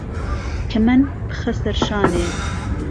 کهمهند پخە سەر شانێ